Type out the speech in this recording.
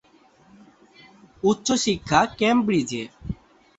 উচ্চ শিক্ষা কেমব্রিজে।